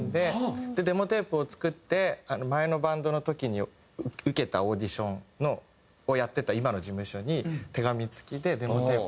デモテープを作って前のバンドの時に受けたオーディションをやってた今の事務所に手紙付きでデモテープで